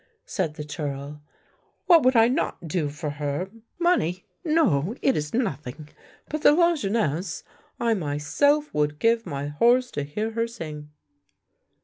" said the churl. " What would I not do for her! Money — no, it is nothing, but the Lajeunesse, I myself would give my horse to hear her sing."